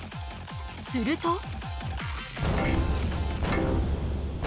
すると。